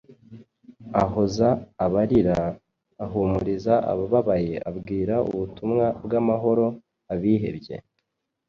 ahoza abarira, ahumuriza abababaye, abwira ubutumwa bw’amahoro abihebye.